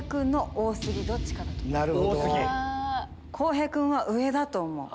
洸平君は上だと思う。